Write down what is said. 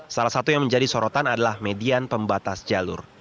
salah satu yang menjadi sorotan adalah median pembatas jalur